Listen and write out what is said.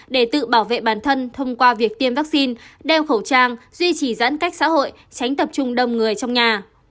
để tự bảo vệ bản thân thông qua việc tiêm vaccine đeo khẩu trang duy trì giãn cách xã hội tránh tập trung đông người trong nhà